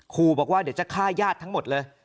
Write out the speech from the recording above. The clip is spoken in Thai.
ครูบอกว่าเดี๋ยวจะฆ่าญาติทั้งหมดเลย